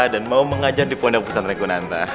dan mau mengajar di pondok pesantren kunanta